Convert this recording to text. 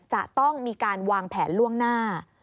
จะต้องมีการวางแผนล่วงหน้า